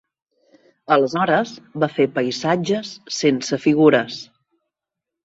Aleshores va fer paisatges sense figures